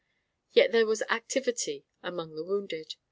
Yet there was activity among the wounded.